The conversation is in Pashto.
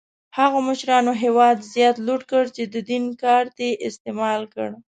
هغو مشرانو هېواد زیات لوټ کړ چې د دین کارت یې استعمال کړ.